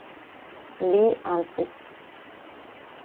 Lee Humphrey